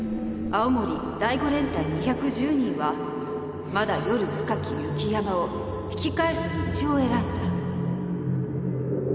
青森第５連隊２１０人はまだ夜深き雪山を引き返す道を選んだ。